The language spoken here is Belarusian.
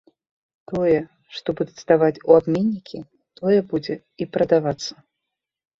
Тое, што будуць здаваць у абменнікі, тое будзе і прадавацца.